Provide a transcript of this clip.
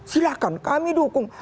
silahkan kami dukung